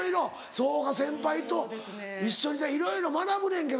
そうか先輩と一緒にいたらいろいろ学ぶねんけどな。